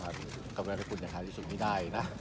คราวนี้ก็เป็นกรรมดาคุณอย่างใหญ่สุดที่ได้นะ